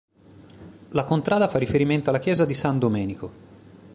La contrada fa riferimento alla chiesa di San Domenico.